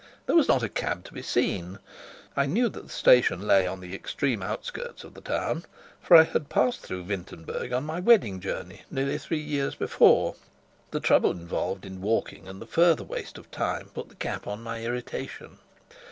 There was not a cab to be seen! I knew that the station lay on the extreme outskirts of the town, for I had passed through Wintenberg on my wedding journey, nearly three years before. The trouble involved in walking, and the further waste of time, put the cap on my irritation.